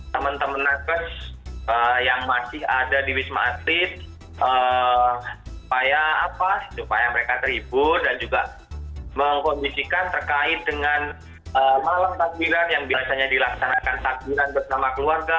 teman teman nakes yang masih ada di wisma atlet supaya mereka terhibur dan juga mengkondisikan terkait dengan malam takbiran yang biasanya dilaksanakan takbiran bersama keluarga